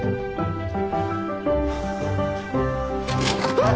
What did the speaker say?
あっ！